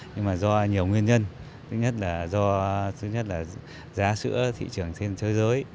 nhưng mà do nhiều nguyên nhân thứ nhất là giá sữa thị trường trên thế giới